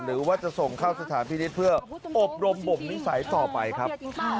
หรือว่าจะส่งเข้าสถานพินิษฐ์เพื่ออบรมบ่มนิสัยต่อไปครับ